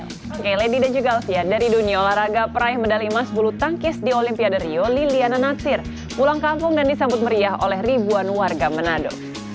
oke lady dan juga alfian dari dunia olahraga peraih medali emas bulu tangkis di olimpiade rio liliana natsir pulang kampung dan disambut meriah oleh ribuan warga manado